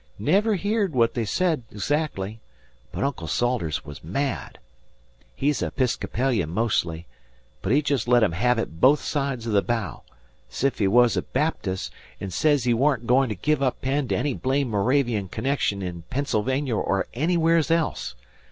'Never heerd what they said exactly; but Uncle Salters was mad. He's a 'piscopolian mostly but he jest let 'em hev it both sides o' the bow, 's if he was a Baptist; an' sez he warn't goin' to give up Penn to any blame Moravian connection in Pennsylvania or anywheres else.